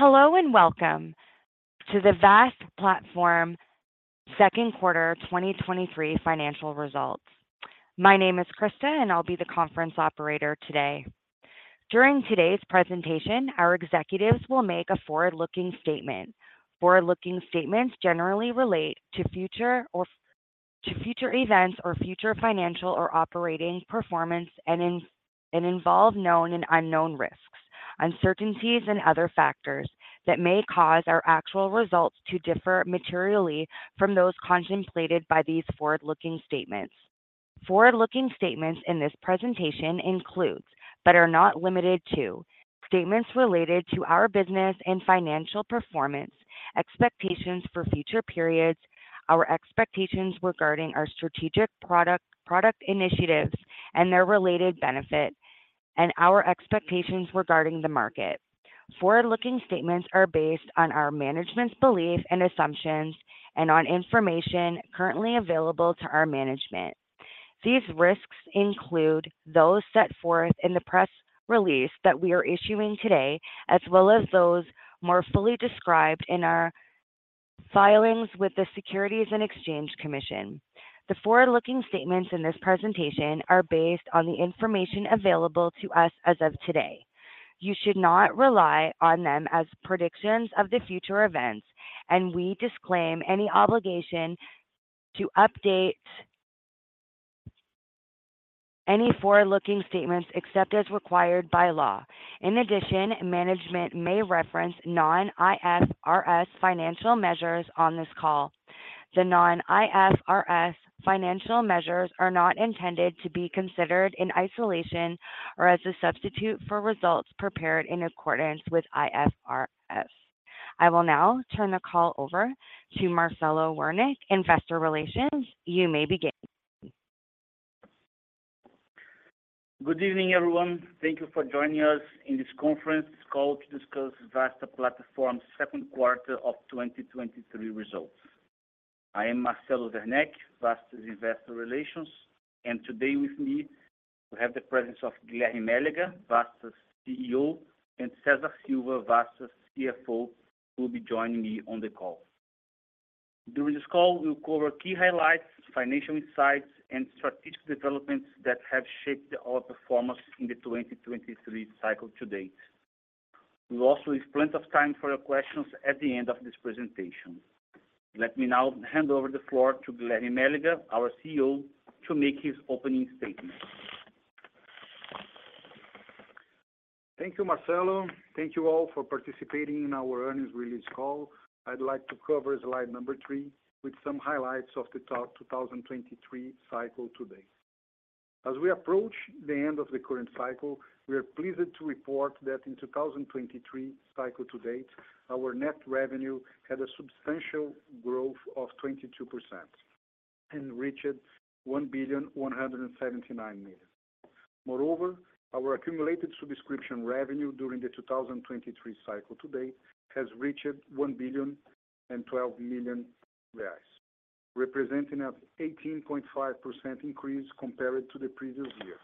Hello, welcome to the Vasta Platform second quarter 2023 financial results. My name is Krista, and I'll be the conference operator today. During today's presentation, our executives will make a forward-looking statement. Forward-looking statements generally relate to future events or future financial or operating performance, and involve known and unknown risks, uncertainties, and other factors that may cause our actual results to differ materially from those contemplated by these forward-looking statements. Forward-looking statements in this presentation includes, but are not limited to, statements related to our business and financial performance, expectations for future periods, our expectations regarding our strategic product, product initiatives and their related benefit, and our expectations regarding the market. Forward-looking statements are based on our management's beliefs and assumptions, and on information currently available to our management. These risks include those set forth in the press release that we are issuing today, as well as those more fully described in our filings with the Securities and Exchange Commission. The forward-looking statements in this presentation are based on the information available to us as of today. You should not rely on them as predictions of the future events, and we disclaim any obligation to update any forward-looking statements except as required by law. In addition, management may reference non-IFRS financial measures on this call. The non-IFRS financial measures are not intended to be considered in isolation or as a substitute for results prepared in accordance with IFRS. I will now turn the call over to Marcelo Werneck, Investor Relations. You may begin. Good evening, everyone. Thank you for joining us in this conference call to discuss Vasta Platform's second quarter of 2023 results. I am Marcelo Werneck, Vasta's Investor Relations and today with me, we have the presence of Guilherme Meléga, Vasta's CEO, and Cesar Silva, Vasta's CFO, who will be joining me on the call. During this call, we'll cover key highlights, financial insights, and strategic developments that have shaped our performance in the 2023 cycle to date. We will also leave plenty of time for your questions at the end of this presentation. Let me now hand over the floor to Guilherme Meléga, our CEO, to make his opening statement. Thank you, Marcelo. Thank you all for participating in our earnings release call. I'd like to cover slide number three with some highlights of the top 2023 cycle to date. As we approach the end of the current cycle, we are pleased to report that in 2023 cycle to date, our net revenue had a substantial growth of 22% and reached 1.179 billion. Our accumulated subscription revenue during the 2023 cycle to date, has reached 1.012 billion, representing an 18.5% increase compared to the previous year.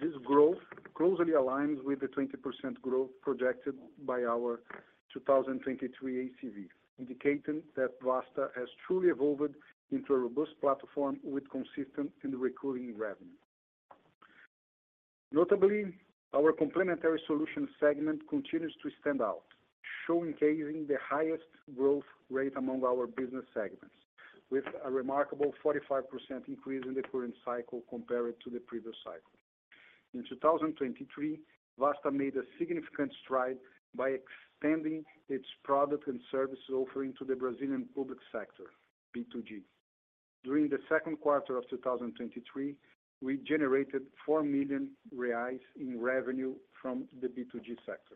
This growth closely aligns with the 20% growth projected by our 2023 ACV, indicating that Vasta has truly evolved into a robust platform with consistent and recurring revenue. Notably, our complementary solutions segment continues to stand out, showcasing the highest growth rate among our business segments, with a remarkable 45% increase in the current cycle compared to the previous cycle. In 2023, Vasta made a significant stride by expanding its product and services offering to the Brazilian public sector, B2G. During the second quarter of 2023, we generated 4 million reais in revenue from the B2G sector.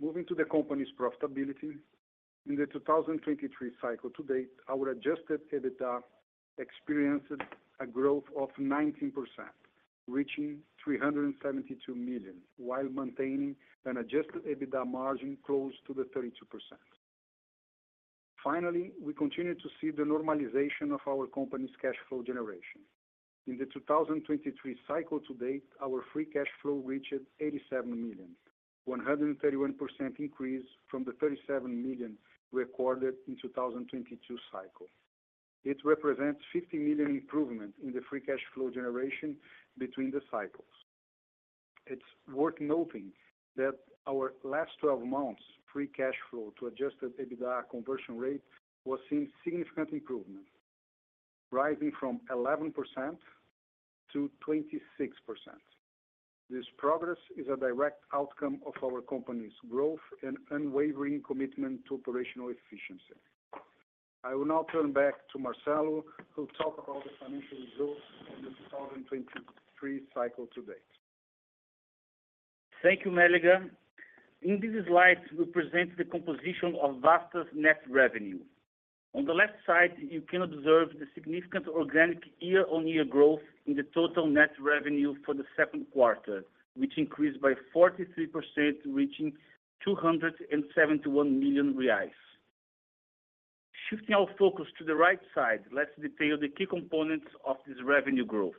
Moving to the company's profitability. In the 2023 cycle to date, our adjusted EBITDA experienced a growth of 19%, reaching 372 million, while maintaining an adjusted EBITDA margin close to the 32%. Finally, we continue to see the normalization of our company's cash flow generation. In the 2023 cycle to date, our free cash flow reached 87 million, 131% increase from the 37 million recorded in 2022 cycle. It represents 50 million improvement in the free cash flow generation between the cycles. It's worth noting that our last 12 months, free cash flow to adjusted EBITDA conversion rate, was seeing significant improvement, rising from 11%-26%. This progress is a direct outcome of our company's growth and unwavering commitment to operational efficiency. I will now turn back to Marcelo, who'll talk about the financial results for the 2023 cycle to date. Thank you, Meléga. In this slide, we present the composition of Vasta's net revenue. On the left side, you can observe the significant organic year-on-year growth in the total net revenue for the second quarter, which increased by 43%, reaching 271 million reais. Shifting our focus to the right side, let's detail the key components of this revenue growth.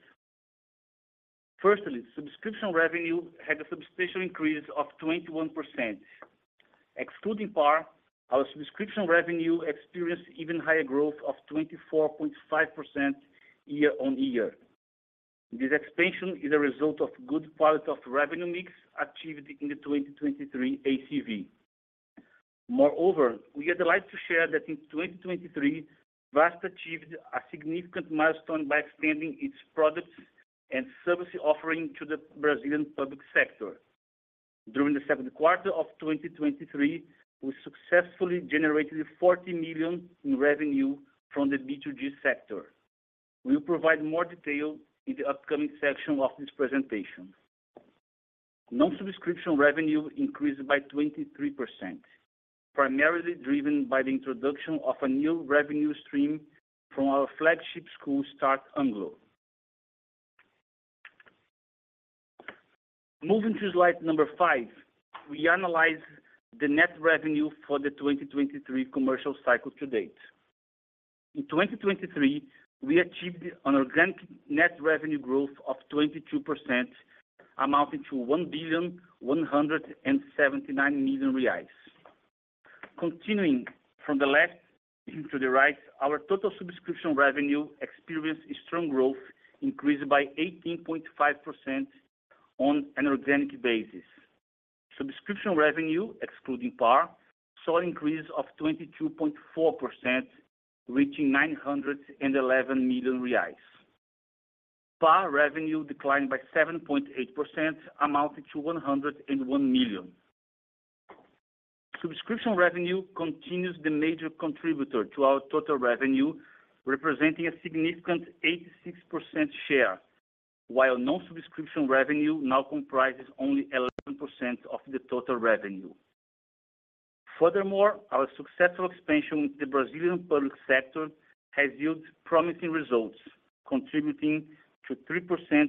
Firstly, subscription revenue had a substantial increase of 21%. Excluding PAR, our subscription revenue experienced even higher growth of 24.5% year-on-year. This expansion is a result of good quality of revenue mix achieved in the 2023 ACV. Moreover, we are delighted to share that in 2023, Vasta achieved a significant milestone by expanding its products and service offering to the Brazilian public sector. During the second quarter of 2023, we successfully generated 40 million in revenue from the B2G sector. We'll provide more detail in the upcoming section of this presentation. Non-subscription revenue increased by 23%, primarily driven by the introduction of a new revenue stream from our flagship school, Start-Anglo. Moving to slide number five, we analyze the net revenue for the 2023 commercial cycle to date. In 2023, we achieved an organic net revenue growth of 22%, amounting to 1.179 billion. Continuing from the left to the right, our total subscription revenue experienced a strong growth, increased by 18.5% on an organic basis. Subscription revenue, excluding PAR, saw an increase of 22.4%, reaching 911 million reais. PAR revenue declined by 7.8%, amounting to 101 million. Subscription revenue continues the major contributor to our total revenue, representing a significant 86% share, while non-subscription revenue now comprises only 11% of the total revenue. Furthermore, our successful expansion with the Brazilian public sector has yield promising results, contributing to 3%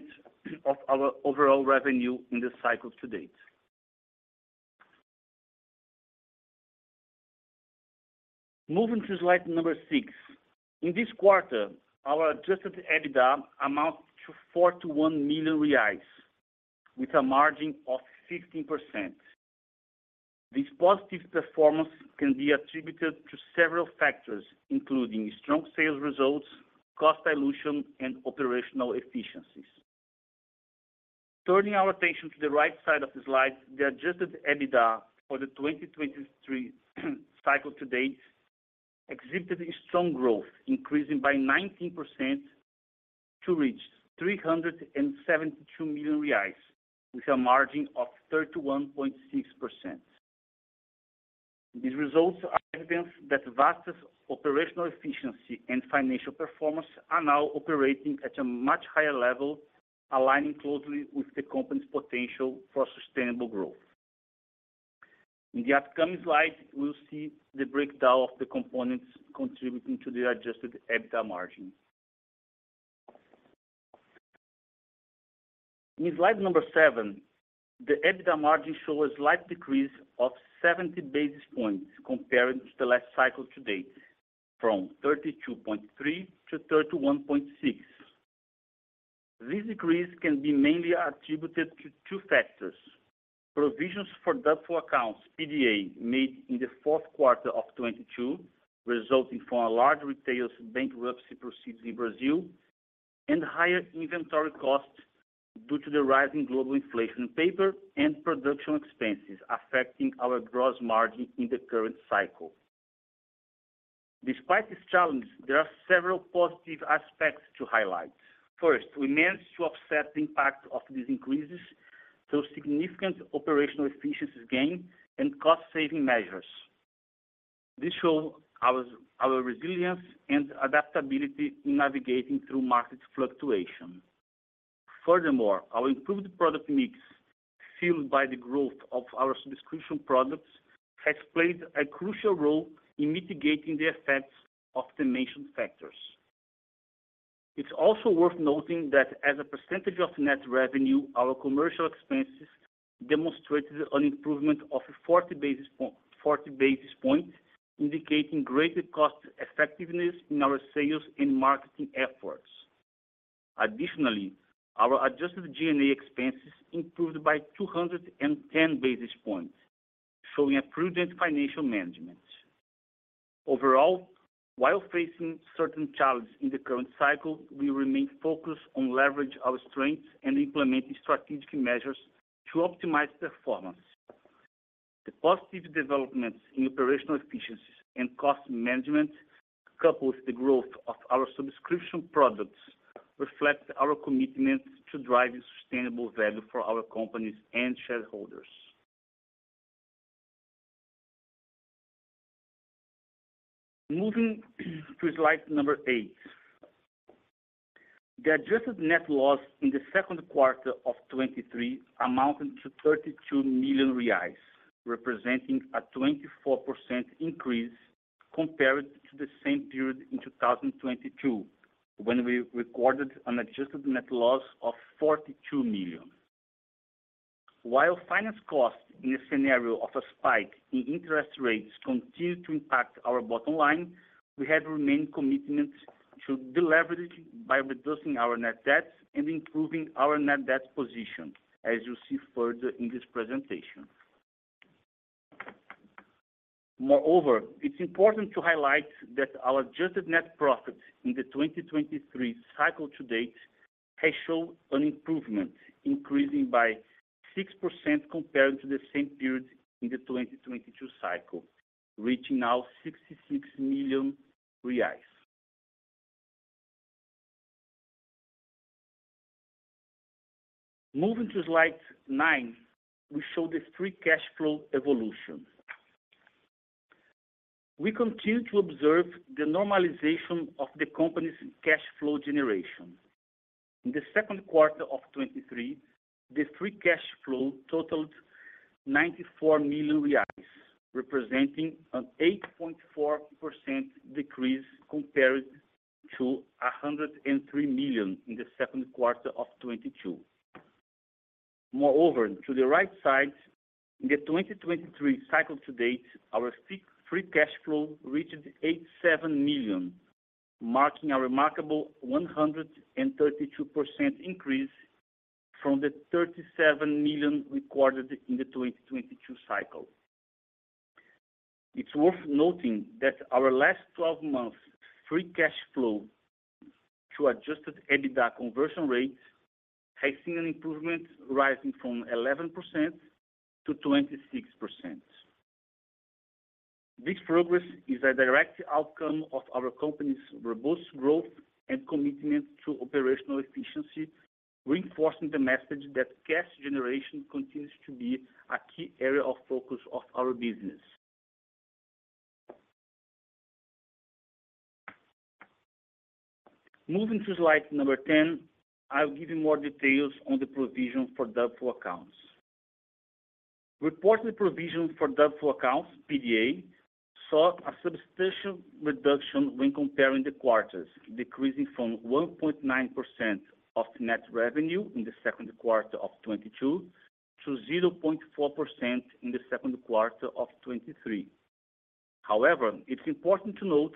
of our overall revenue in this cycle to date. Moving to slide number six. In this quarter, our adjusted EBITDA amounted to 421 million reais, with a margin of 15%. This positive performance can be attributed to several factors, including strong sales results, cost dilution, and operational efficiencies. Turning our attention to the right side of the slide, the adjusted EBITDA for the 2023 cycle to date exhibited a strong growth, increasing by 19% to reach 372 million reais, with a margin of 31.6%. These results are evidence that Vasta's operational efficiency and financial performance are now operating at a much higher level, aligning closely with the company's potential for sustainable growth. In the upcoming slide, we'll see the breakdown of the components contributing to the adjusted EBITDA margin. In slide number seven, the EBITDA margin show a slight decrease of 70 basis points compared to the last cycle to date, from 32.3 basis points-31.6 basis points. This decrease can be mainly attributed to two factors: Provisions for doubtful accounts, PDA, made in the fourth quarter of 2022, resulting from a large retailers bankruptcy proceeds in Brazil, and higher inventory costs due to the rising global inflation paper and production expenses affecting our gross margin in the current cycle. Despite this challenge, there are several positive aspects to highlight. First, we managed to offset the impact of these increases through significant operational efficiencies gain and cost-saving measures. This show our resilience and adaptability in navigating through market fluctuation. Our improved product mix, fueled by the growth of our subscription products, has played a crucial role in mitigating the effects of the mentioned factors. It's also worth noting that as a percentage of net revenue, our commercial expenses demonstrated an improvement of 40 basis points, indicating greater cost-effectiveness in our sales and marketing efforts. Additionally, our adjusted G&A expenses improved by 210 basis points, showing a prudent financial management. While facing certain challenges in the current cycle, we remain focused on leverage our strengths and implementing strategic measures to optimize performance. The positive developments in operational efficiency and cost management, coupled with the growth of our subscription products, reflect our commitment to driving sustainable value for our companies and shareholders. Moving to slide number eight. The adjusted net loss in the second quarter of 2023 amounted to 32 million reais, representing a 24% increase compared to the same period in 2022, when we recorded an adjusted net loss of 42 million. While finance costs in a scenario of a spike in interest rates continue to impact our bottom line, we have remained committed to deleveraging by reducing our net debts and improving our net debt position, as you'll see further in this presentation. Moreover, it's important to highlight that our adjusted net profit in the 2023 cycle to date, has shown an improvement, increasing by 6% compared to the same period in the 2022 cycle, reaching now BRL 66 million. Moving to slide nine, we show the free cash flow evolution. We continue to observe the normalization of the company's cash flow generation. In the second quarter of 2023, the free cash flow totaled 94 million reais, representing an 8.4% decrease compared to 103 million in the second quarter of 2022. Moreover, to the right side, in the 2023 cycle to date, our free, free cash flow reached 87 million, marking a remarkable 132% increase from the 37 million recorded in the 2022 cycle. It's worth noting that our last 12 months free cash flow to adjusted EBITDA conversion rate, has seen an improvement rising from 11% to 26%. This progress is a direct outcome of our company's robust growth and commitment to operational efficiency, reinforcing the message that cash generation continues to be a key area of focus of our business. Moving to slide number 10, I'll give you more details on the provision for doubtful accounts. Reported provision for doubtful accounts, PDA, saw a substantial reduction when comparing the quarters, decreasing from 1.9% of net revenue in the second quarter of 2022, to 0.4% in the second quarter of 2023. However, it's important to note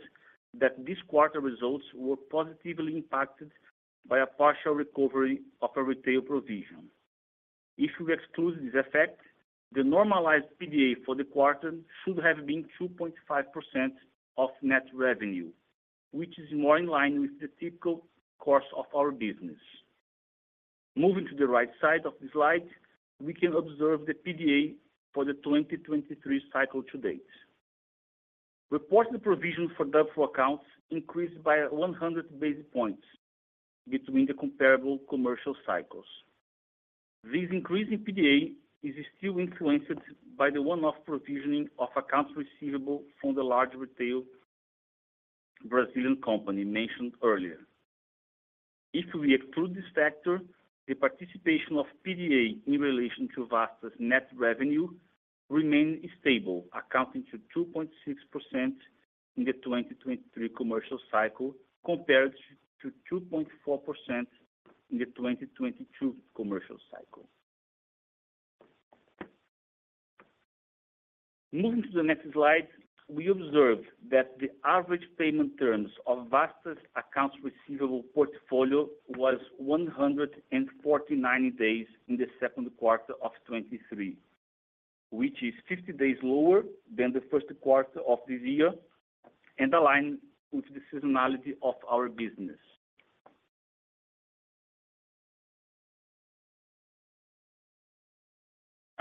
that these quarter results were positively impacted by a partial recovery of a retail provision. If we exclude this effect, the normalized PDA for the quarter should have been 2.5% of net revenue, which is more in line with the typical course of our business. Moving to the right side of the slide, we can observe the PDA for the 2023 cycle to date. Reported provisions for doubtful accounts increased by 100 basis points between the comparable commercial cycles. This increase in PDA is still influenced by the one-off provisioning of accounts receivable from the large retail Brazilian company mentioned earlier. If we exclude this factor, the participation of PDA in relation to Vasta's net revenue remain stable, accounting to 2.6% in the 2023 commercial cycle, compared to 2.4% in the 2022 commercial cycle. Moving to the next slide, we observe that the average payment terms of Vasta's accounts receivable portfolio was 149 days in the second quarter of 2023, which is 50 days lower than the first quarter of this year, and aligned with the seasonality of our business.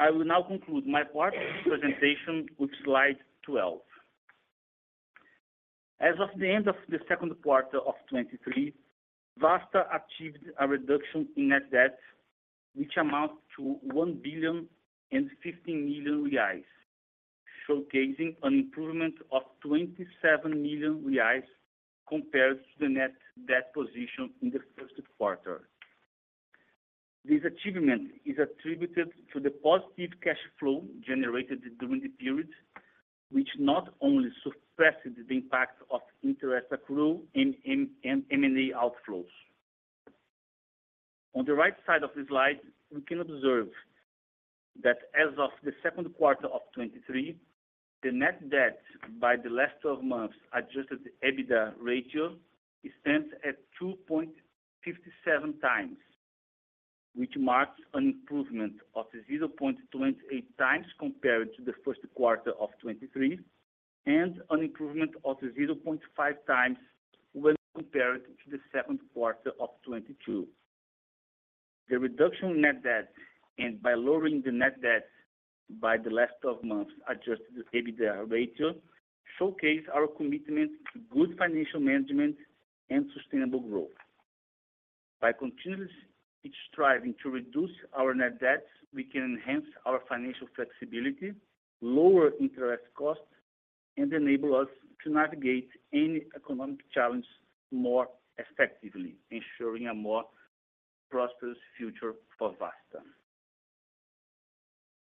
I will now conclude my part of the presentation with slide 12. As of the end of the second quarter of 2023, Vasta achieved a reduction in net debt, which amounts to 1.05 billion, showcasing an improvement of 27 million reais compared to the net debt position in the first quarter. This achievement is attributed to the positive cash flow generated during the period, which not only suppressed the impact of interest accrual in M&A outflows. On the right side of the slide, we can observe that as of the second quarter of 2023, the net debt by the last 12 months adjusted EBITDA ratio, stands at 2.57x, which marks an improvement of 0.28 times compared to the first quarter of 2023, and an improvement of 0.5x when compared to the second quarter of 2022. The reduction in net debt and by lowering the net debt by the last 12 months, adjusted EBITDA ratio, showcase our commitment to good financial management and sustainable growth. By continuously striving to reduce our net debt, we can enhance our financial flexibility, lower interest costs, and enable us to navigate any economic challenge more effectively, ensuring a more prosperous future for Vasta.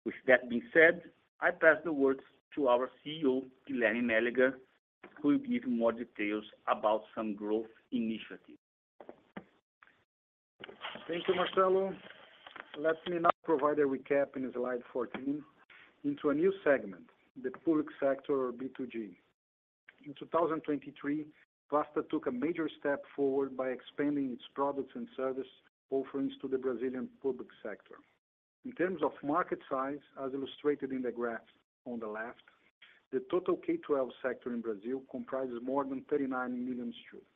With that being said, I pass the words to our CEO, Guilherme Meléga, who will give you more details about some growth initiatives. Thank you, Marcelo. Let me now provide a recap in slide 14 into a new segment, the public sector or B2G. In 2023, Vasta took a major step forward by expanding its products and service offerings to the Brazilian public sector. In terms of market size, as illustrated in the graph on the left, the total K-12 sector in Brazil comprises more than 39 million students,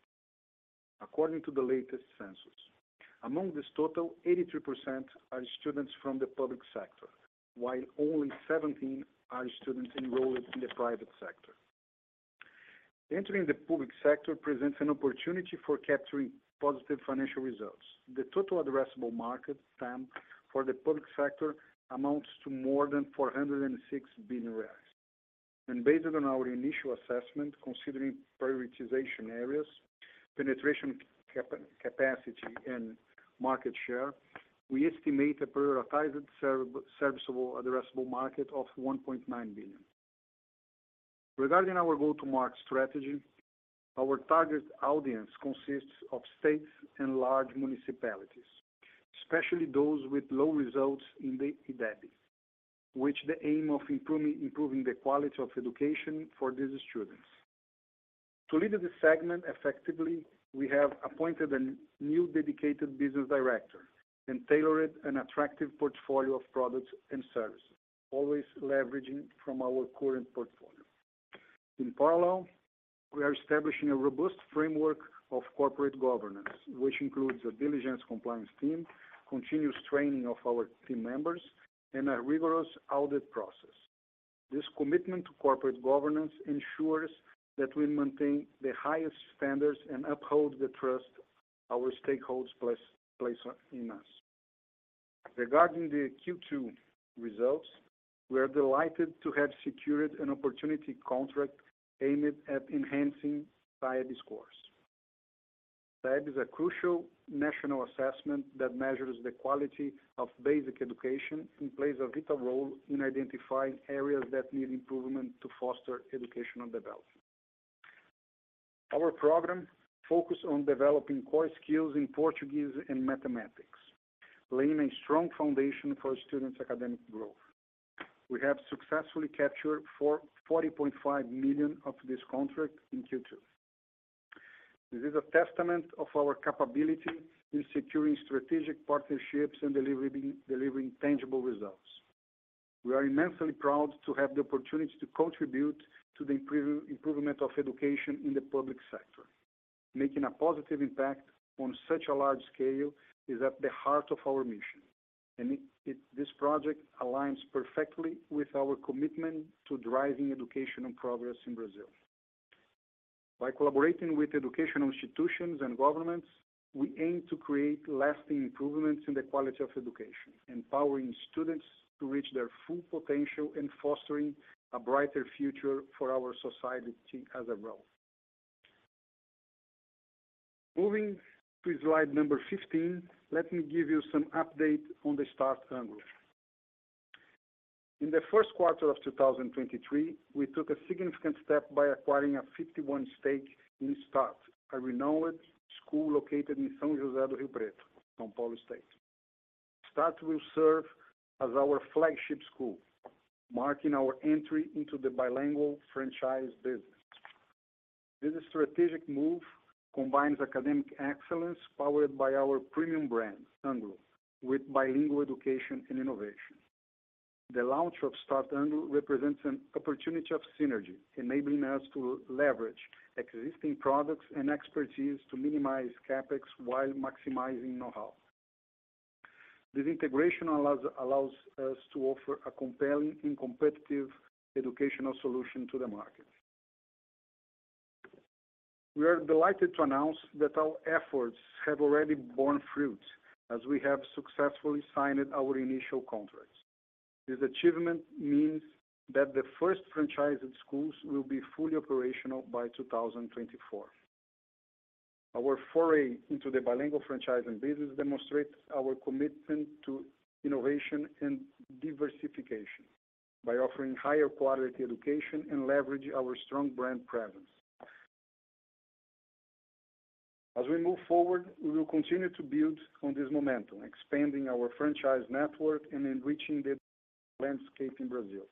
according to the latest census. Among this total, 83% are students from the public sector, while only 17 are students enrolled in the private sector. Entering the public sector presents an opportunity for capturing positive financial results. The total addressable market TAM, for the public sector amounts to more than 406 billion reais. Based on our initial assessment, considering prioritization areas, penetration capacity, and market share, we estimate a prioritized serviceable addressable market of 1.9 billion. Regarding our go-to-market strategy, our target audience consists of states and large municipalities, especially those with low results in the IDEB, which the aim of improving the quality of education for these students. To lead this segment effectively, we have appointed a new dedicated business director and tailored an attractive portfolio of products and services, always leveraging from our current portfolio. In parallel, we are establishing a robust framework of corporate governance, which includes a diligence compliance team, continuous training of our team members, and a rigorous audit process. This commitment to corporate governance ensures that we maintain the highest standards and uphold the trust our stakeholders place in us. Regarding the Q2 results, we are delighted to have secured an opportunity contract aimed at enhancing SAEB scores. SAEB is a crucial national assessment that measures the quality of basic education and plays a vital role in identifying areas that need improvement to foster educational development. Our program focused on developing core skills in Portuguese and mathematics, laying a strong foundation for students' academic growth. We have successfully captured 40.5 million of this contract in Q2. This is a testament of our capability in securing strategic partnerships and delivering tangible results. We are immensely proud to have the opportunity to contribute to the improvement of education in the public sector. Making a positive impact on such a large scale is at the heart of our mission, and this project aligns perfectly with our commitment to driving educational progress in Brazil. By collaborating with educational institutions and governments, we aim to create lasting improvements in the quality of education, empowering students to reach their full potential and fostering a brighter future for our society as a whole. Moving to slide number 16, let me give you some update on the Start-Anglo. In the first quarter of 2023, we took a significant step by acquiring a 51% stake in Start, a renowned school located in São José do Rio Preto, São Paulo State. Start will serve as our flagship school, marking our entry into the bilingual franchising business. This strategic move combines academic excellence powered by our premium brand, Anglo, with bilingual education and innovation. The launch of Start-Anglo represents an opportunity of synergy, enabling us to leverage existing products and expertise to minimize CapEx while maximizing know-how. This integration allows us to offer a compelling and competitive educational solution to the market. We are delighted to announce that our efforts have already borne fruit, as we have successfully signed our initial contracts. This achievement means that the first franchised schools will be fully operational by 2024. Our foray into the bilingual franchising business demonstrates our commitment to innovation and diversification by offering higher quality education and leverage our strong brand presence. As we move forward, we will continue to build on this momentum, expanding our franchise network and enriching the landscape in Brazil.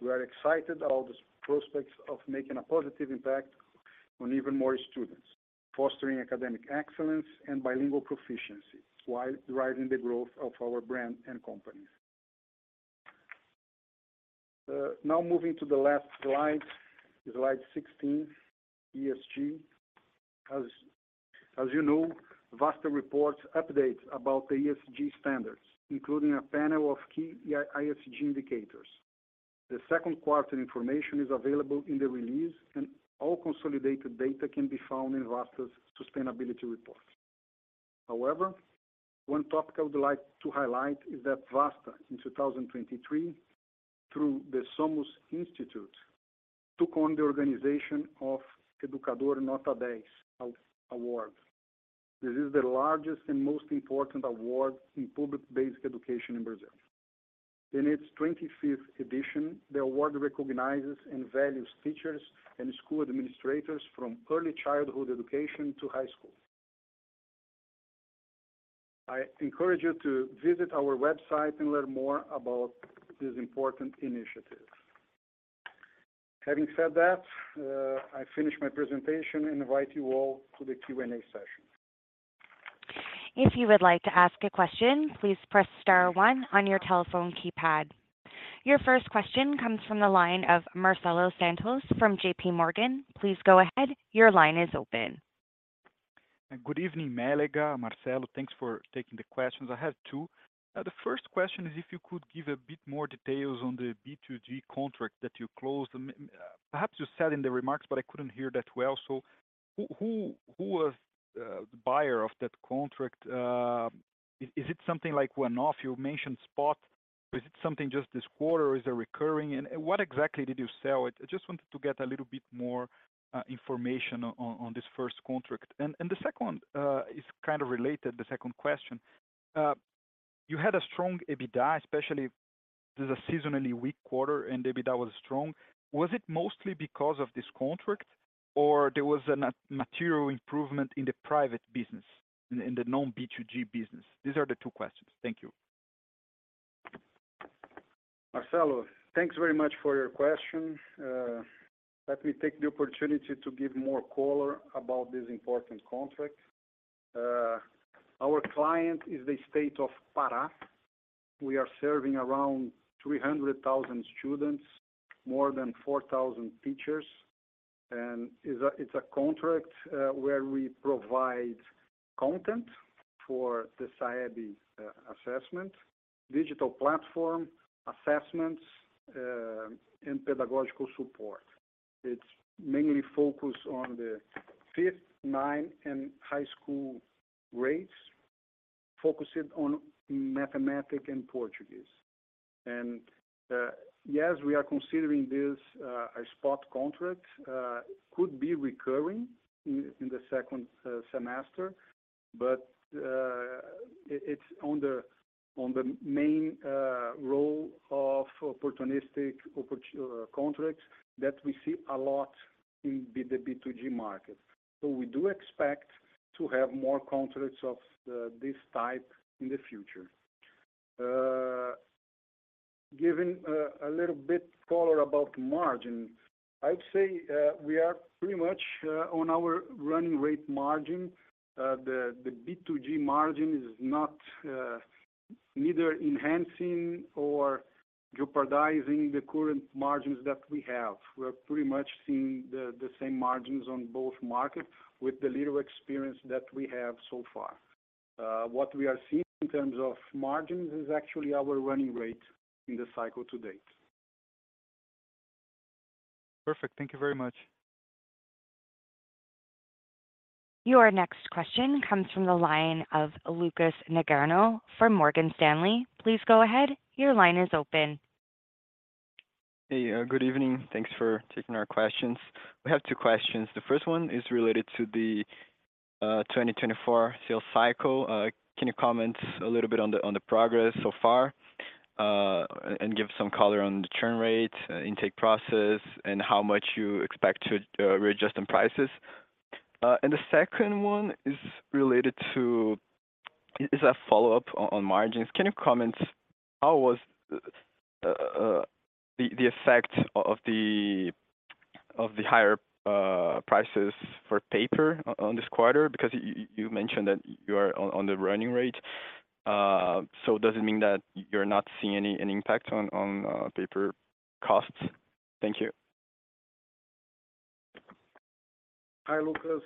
We are excited about the prospects of making a positive impact on even more students, fostering academic excellence and bilingual proficiency while driving the growth of our brand and company. Now, moving to the last slide, slide 16, ESG. As you know, Vasta reports updates about the ESG standards, including a panel of key ESG indicators. The second quarter information is available in the release, and all consolidated data can be found in Vasta's sustainability report. However, one topic I would like to highlight is that Vasta, in 2023, through the Somos Institute, took on the organization of Educador Nota 10 Award. This is the largest and most important award in public basic education in Brazil. In its 25th edition, the award recognizes and values teachers and school administrators from early childhood education to high school. I encourage you to visit our website and learn more about this important initiative. Having said that, I finish my presentation and invite you all to the Q&A session. If you would like to ask a question, please press star one on your telephone keypad. Your first question comes from the line of Marcelo Santos from JPMorgan. Please go ahead, your line is open. Good evening, Meléga. Marcelo. Thanks for taking the questions. I have two. The first question is, if you could give a bit more details on the B2G contract that you closed. Perhaps you said in the remarks, but I couldn't hear that well. Who, who, who was the buyer of that contract? Is, is it something like one-off? You mentioned spot. Is it something just this quarter, or is it recurring? What exactly did you sell? I just wanted to get a little bit more information on, on this first contract. The second one is kind of related, the second question. You had a strong EBITDA, especially this is a seasonally weak quarter, and EBITDA was strong. Was it mostly because of this contract, or there was a material improvement in the private business, in the non-B2G business? These are the two questions. Thank you. Marcelo, thanks very much for your question. Let me take the opportunity to give more color about this important contract. Our client is the state of Pará. We are serving around 300,000 students, more than 4,000 teachers, it's a contract where we provide content for the SAEB assessment, digital platform, assessments, and pedagogical support. It's mainly focused on the fifth, ninth, and high school grades, focusing on mathematics and Portuguese. Yes, we are considering this a spot contract. Could be recurring in the second semester, but it's on the main role of opportunistic contracts that we see a lot in the B2G market. We do expect to have more contracts of this type in the future. Giving a little bit color about margin, I'd say, we are pretty much on our running rate margin. The B2G margin is not neither enhancing or jeopardizing the current margins that we have. We are pretty much seeing the, the same margins on both markets with the little experience that we have so far. What we are seeing in terms of margins is actually our running rate in the cycle to date. Perfect. Thank you very much. Your next question comes from the line of Lucas Nagano from Morgan Stanley. Please go ahead. Your line is open. Hey, good evening. Thanks for taking our questions. We have two questions. The first one is related to the 2024 sales cycle. Can you comment a little bit on the progress so far, and give some color on the churn rate, intake process, and how much you expect to readjust in prices? Is a follow-up on margins. Can you comment how was the effect of the higher prices for paper on this quarter? Because you mentioned that you are on the running rate. Does it mean that you're not seeing any impact on paper costs? Thank you. Hi, Lucas.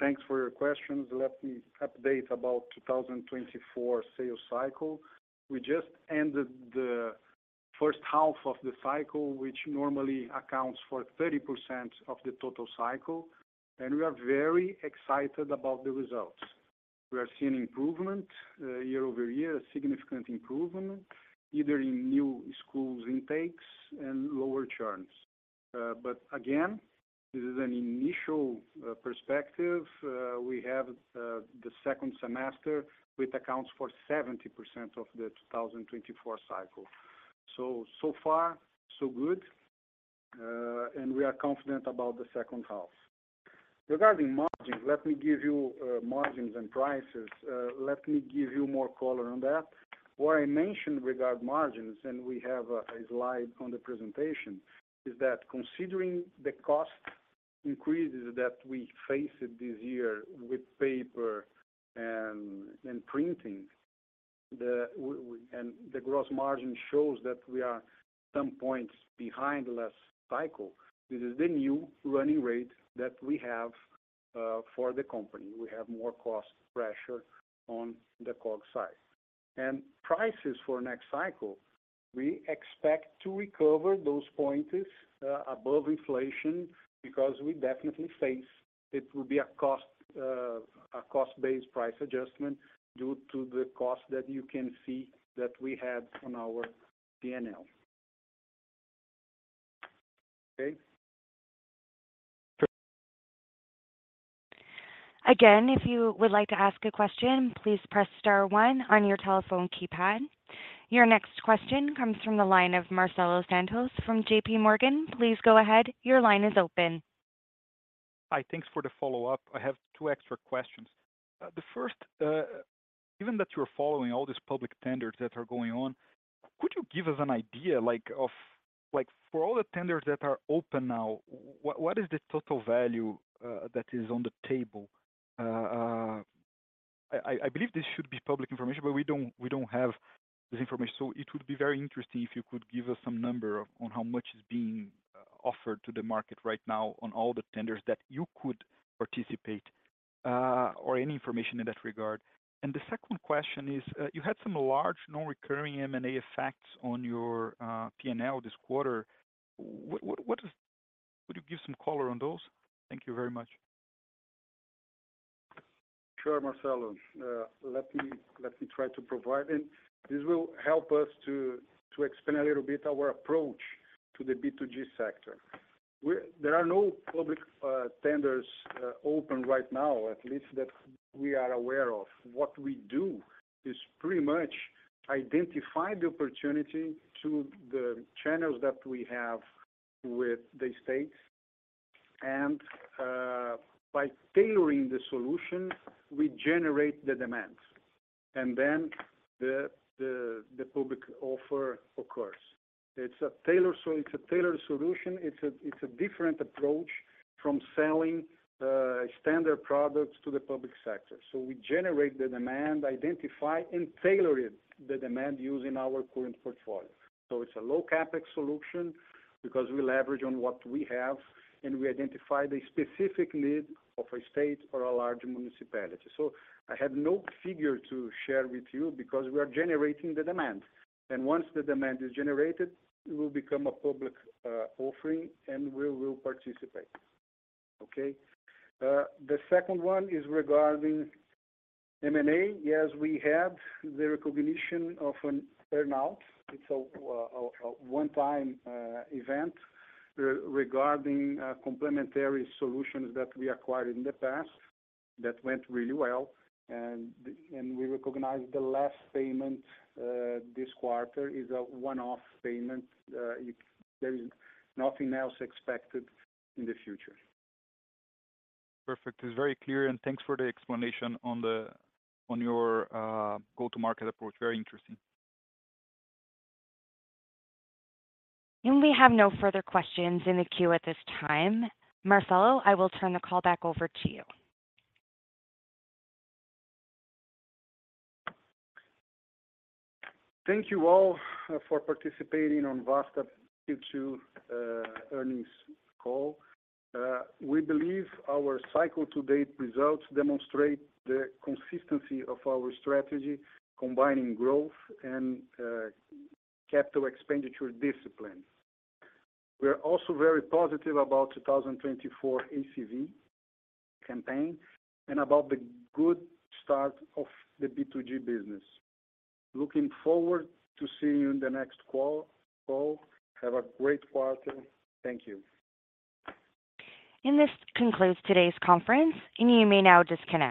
Thanks for your questions. Let me update about 2024 sales cycle. We just ended the first half of the cycle, which normally accounts for 30% of the total cycle, and we are very excited about the results. We are seeing improvement year-over-year, a significant improvement, either in new schools intakes and lower churns. But again, this is an initial perspective. We have the second semester, which accounts for 70% of the 2024 cycle. So far so good, and we are confident about the second half. Regarding margins, let me give you margins and prices. Let me give you more color on that. What I mentioned regarding margins, and we have a, a slide on the presentation, is that considering the cost increases that we faced this year with paper and, and printing, the w- and the gross margin shows that we are some points behind last cycle. This is the new running rate that we have for the company. We have more cost pressure on the COGS side. Prices for next cycle, we expect to recover those points above inflation, because we definitely face it will be a cost, a cost-based price adjustment due to the cost that you can see that we have on our PNL. Okay? Again, if you would like to ask a question, please press star one on your telephone keypad. Your next question comes from the line of Marcelo Santos from JPMorgan. Please go ahead. Your line is open. Hi. Thanks for the follow-up. I have two extra questions. The first, given that you are following all these public tenders that are going on, could you give us an idea for all the tenders that are open now, what is the total value that is on the table? I believe this should be public information, but we don't, we don't have this information. It would be very interesting if you could give us some number on how much is being offered to the market right now on all the tenders that you could participate, or any information in that regard. The second question is, you had some large non-recurring M&A effects on your PNL this quarter. Would you give some color on those? Thank you very much. Sure, Marcelo. Let me, let me try to provide, and this will help us to, to explain a little bit our approach to the B2G sector. There are no public tenders open right now, at least that we are aware of. What we do is pretty much identify the opportunity to the channels that we have with the states, and by tailoring the solution, we generate the demand, and then the, the, the public offer occurs. It's a tailored solution. It's a, it's a different approach from selling standard products to the public sector. We generate the demand, identify, and tailor it, the demand, using our current portfolio. It's a low CapEx solution because we leverage on what we have, and we identify the specific need of a state or a large municipality. I have no figure to share with you because we are generating the demand, and once the demand is generated, it will become a public offering, and we will participate. Okay? The second one is regarding M&A. Yes, we have the recognition of an earn-out. It's a one-time event regarding complementary solutions that we acquired in the past. That went really well, and we recognize the last payment, this quarter is a one-off payment. There is nothing else expected in the future. Perfect. It's very clear, and thanks for the explanation on the, on your, go-to-market approach. Very interesting. We have no further questions in the queue at this time. Marcelo, I will turn the call back over to you. Thank you all for participating on Vasta Q2 earnings call. We believe our cycle to date results demonstrate the consistency of our strategy, combining growth and capital expenditure discipline. We are also very positive about the 2024 ACV campaign and about the good start of the B2G business. Looking forward to seeing you in the next call. Have a great quarter. Thank you. This concludes today's conference, and you may now disconnect.